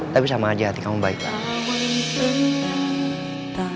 tapi sama aja hati kamu baik banget